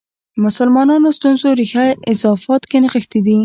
مسلمانانو ستونزو ریښه اضافات کې نغښې ده.